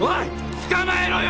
捕まえろよ！